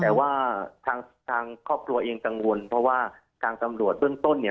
แต่ว่าทางครอบครัวเองกังวลเพราะว่าทางตำรวจเบื้องต้นเนี่ย